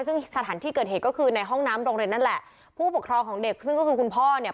ซึ่งสถานที่เกิดเหตุก็คือในห้องน้ำโรงเรียนนั่นแหละผู้ปกครองของเด็กซึ่งก็คือคุณพ่อเนี่ย